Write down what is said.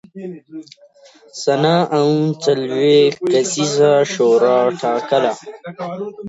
سنا او څلوېښت کسیزه شورا ټاکله